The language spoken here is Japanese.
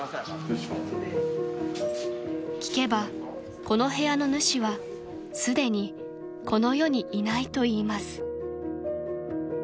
［聞けばこの部屋の主はすでにこの世にいないといいます］